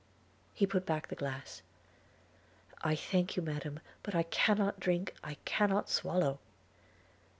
He put back the glass – 'I thank you, Madam, but I cannot drink – I cannot swallow.